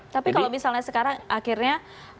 tapi kalau misalnya sekarang akhirnya